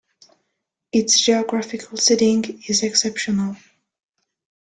Its geographical setting is exceptional.